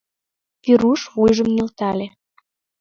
Веруш вуйжым нӧлтале.